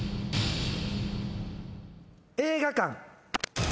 映画館。